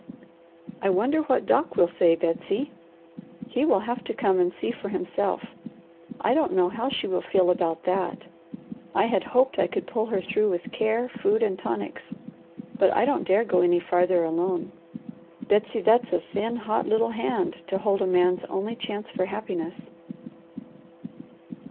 I wonder what Doc will say, Betsy? He will have to come and see for himself. I don't know how she will feel about that. I had hoped I could pull her through with care, food, and tonics, but I don't dare go any farther alone. Betsy, that's a thin, hot, little hand to hold a man's only chance for happiness."